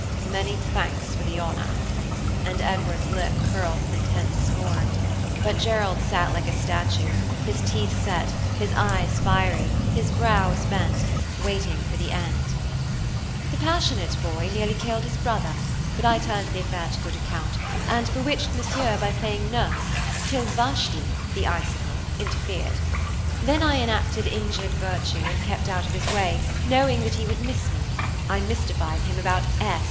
"Many thanks for the honor." And Edward's lip curled with intense scorn. But Gerald sat like a statue, his teeth set, his eyes fiery, his brows bent, waiting for the end. "The passionate boy nearly killed his brother, but I turned the affair to good account, and bewitched Monsieur by playing nurse, till Vashti (the icicle) interfered. Then I enacted injured virtue, and kept out of his way, knowing that he would miss me, I mystified him about S.